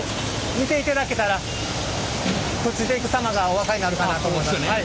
見ていただけたらくっついていく様がお分かりになるかなと思います。